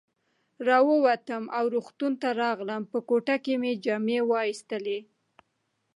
را ووتم او روغتون ته راغلم، په کوټه کې مې جامې وایستلې.